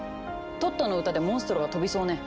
トットの歌でモンストロが飛びそうね。